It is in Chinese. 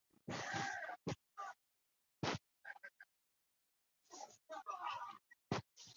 而两个月台用架空道路来连接。